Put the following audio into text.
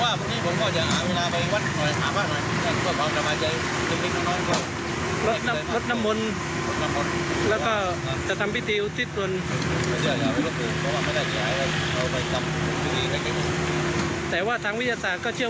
นี่คือแสงแต่ว่าเราบ่รานมันบ้านก็เชื่อ